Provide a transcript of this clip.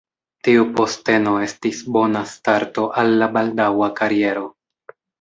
Tiu posteno estis bona starto al la baldaŭa kariero.